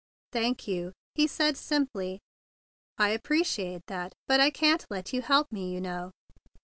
"Thank you," he said simply. "I ap¬ preciate that. But I can't let you help me, you know."